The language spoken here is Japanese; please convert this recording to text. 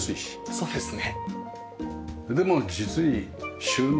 そうですね。